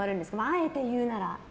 あえて言うなら。